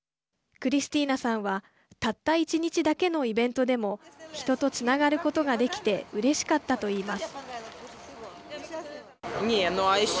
クリスティーナさんはたった１日だけのイベントでも人とつながることができてうれしかったと言います。